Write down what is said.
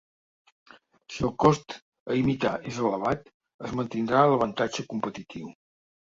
Si el cost a imitar és elevat, es mantindrà l'avantatge competitiu.